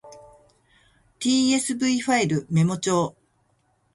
tsv ファイルメモ帳